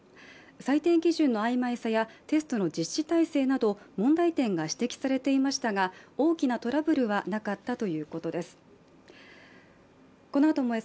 採点基準の曖昧さやテストの実施体制など問題点が指摘されていましたが大きなトラブルはなかったということです。